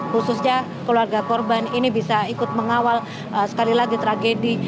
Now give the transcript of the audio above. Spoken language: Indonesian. khususnya keluarga korban ini bisa ikut mengawal sekali lagi tragedi